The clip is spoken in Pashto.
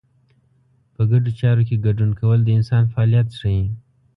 په ګډو چارو کې ګډون کول د انسان فعالیت ښيي.